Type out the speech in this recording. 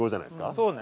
そうね。